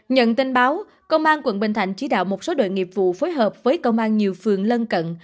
nhận tin báo công an quận bình thạnh chỉ đạo một số đội nghiệp vụ phối hợp với công an nhiều phường lân cận